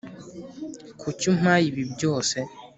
kuki umpaye ibi byose?